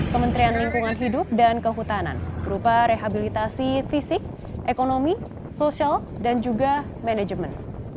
kementerian lingkungan hidup dan kehutanan berupa rehabilitasi fisik ekonomi sosial dan juga manajemen